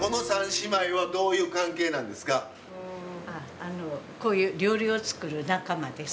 あのこういう料理を作る仲間です。